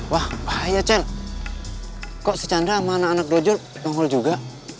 wah bahaya chen kok si chandra sama anak anak dojo nongol juga